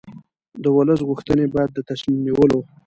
د ولس غوښتنې باید د تصمیم نیولو